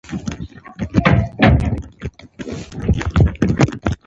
د هرات په زنده جان کې د وسپنې کان شته.